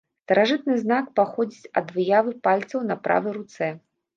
Старажытны знак паходзіць ад выявы пальцаў на правай руцэ.